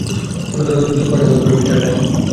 কোন ধরনের উদ্ভিদ হতে পছন্দ করবে, মিঃ রাইম?